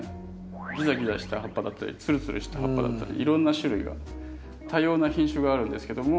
ギザギザした葉っぱだったりツルツルした葉っぱだったりいろんな種類が多様な品種があるんですけども。